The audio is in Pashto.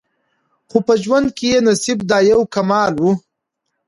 خو په ژوند کي یې نصیب دا یو کمال وو